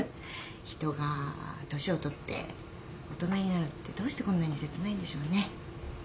人が年を取って大人になるってどうしてこんなに切ないんでしょうね？